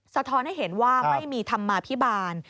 สะท้อนให้เห็นว่าไม่มีธรรมาภิบาล